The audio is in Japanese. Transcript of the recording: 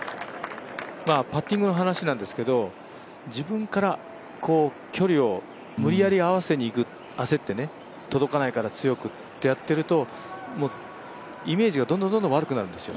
パッティングの話なんですけど、自分から距離を無理やり合わせにいく、焦って、届かないから強くとやっていると、イメージがどんどん悪くなるんですよ。